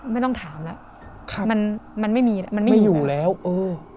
ไม่ต้องถามแล้วครับมันมันไม่มีแล้วมันไม่อยู่แล้วเออ